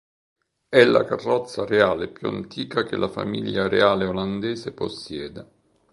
È la carrozza reale più antica che la famiglia reale olandese possiede.